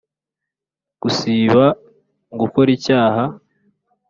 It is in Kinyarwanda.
gusiba gukora icyaha